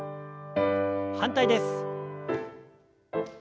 反対です。